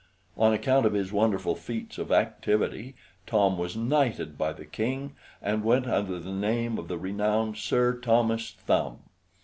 On account of his wonderful feats of activity, Tom was knighted by the King, and went under the name of the renowned Sir Thomas Thumb.